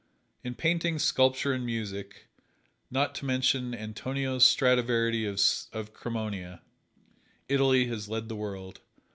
In painting, sculpture and music (not to mention Antonio Stradivari of Cremona) Italy has led the world.